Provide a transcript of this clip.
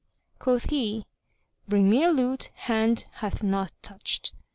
Quoth he, "Bring me a lute hand hath not touched."